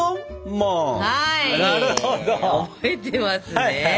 覚えてますね。